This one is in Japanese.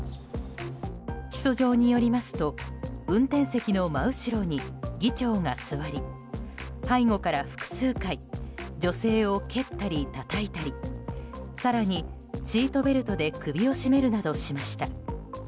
起訴状によりますと運転席の真後ろに議長が座り背後から複数回女性を蹴ったり、たたいたり更に、シートベルトで首を絞めるなどしました。